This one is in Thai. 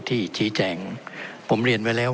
ท่านประธานที่ขอรับครับ